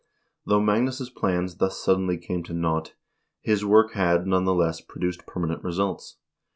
Though Magnus' plans thus suddenly came to naught, his work had, none the less, produced permanent results.